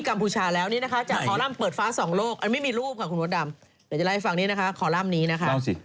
อยากจะเล่าไว้ฟังนี้นะคะขอลามนี้นะคะ